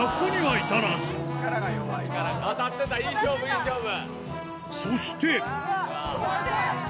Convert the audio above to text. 当たってた、いい勝負、そして。